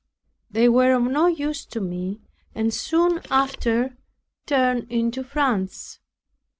They were of no use to me, and soon after turned into France.